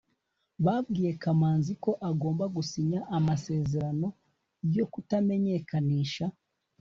babwiye kamanzi ko agomba gusinya amasezerano yo kutamenyekanisha